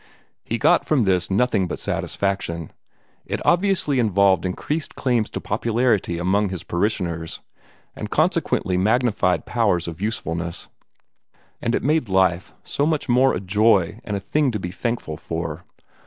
He got from this nothing but satisfaction; it obviously involved increased claims to popularity among his parishioners, and consequently magnified powers of usefulness, and it made life so much more a joy and a thing to be thankful for.